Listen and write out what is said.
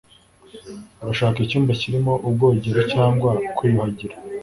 Urashaka icyumba kirimo ubwogero cyangwa kwiyuhagira?